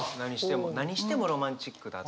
何してもロマンチックだ。